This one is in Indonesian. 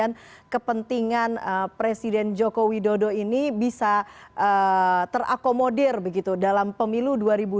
karena kemudian kepentingan presiden joko widodo ini bisa terakomodir begitu dalam pemilu dua ribu dua puluh empat